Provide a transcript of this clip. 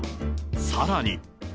さらに。